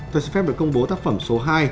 tôi xin phép được công bố tác phẩm số hai